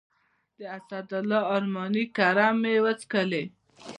د اسدالله ارماني کره مې وڅښلې.